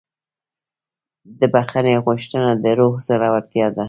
د بښنې غوښتنه د روح زړورتیا ده.